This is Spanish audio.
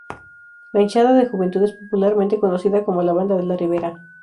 La hinchada de juventud es popularmente conocida como "La Banda de la Ribera".